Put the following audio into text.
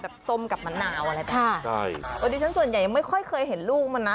ส้มกับมะนาวอะไรแบบนี้ใช่โอ้ดิฉันส่วนใหญ่ยังไม่ค่อยเคยเห็นลูกมันนะ